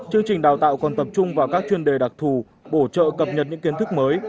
chương trình đào tạo còn tập trung vào các chuyên đề đặc thù bổ trợ cập nhật những kiến thức mới